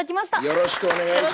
よろしくお願いします。